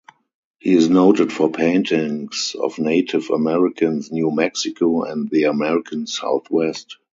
He is noted for paintings of Native Americans, New Mexico and the American Southwest.